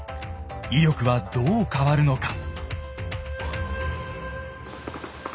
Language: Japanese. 威力はどう変わるのか。